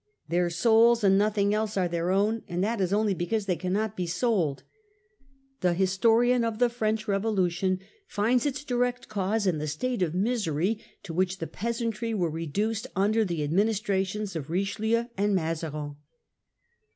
Their souls, 'and nothing else, are their own, and that is only because they cannot be sold.* The historian of the French Revolution finds its direct cause in the state of misery to which the peasantry were reduced under the administrations of Richelieu and of Mazarin.